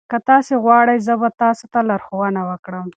که تاسي وغواړئ زه به تاسي ته لارښوونه وکړم.